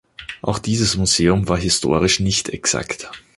Auch dieses Museum war historisch nicht exakt.